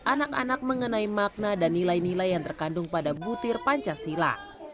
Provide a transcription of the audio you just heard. anak anak mengenai makna dan nilai nilai yang terkandung pada butir pancasila